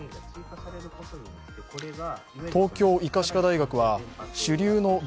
東京医科歯科大学は主流のＢＡ．